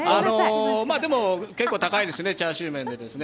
でも結構高いですね、チャーシュー麺で。